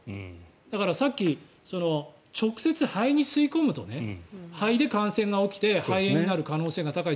だから、さっき直接肺に吸い込むと肺で感染が起きて肺炎になる可能性が高い。